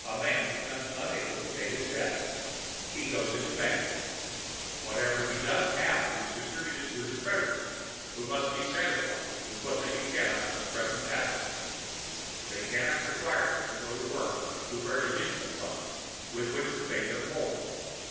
A man becomes unable to pay his debts. He goes into bankruptcy. Whatever he does have is distributed to his creditors, who must be satisfied with what they can get out of his present assets. They cannot require him to go to work to earn additional funds with which to pay them more.